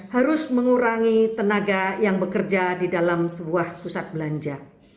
harus mengurangi tenaga yang bekerja di dalam sebuah pusat belanja